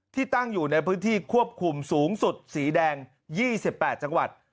ที่ตั้งอยู่ในพื้นที่ควบคุมสูงสุดสีแดง๒๘จังหวัด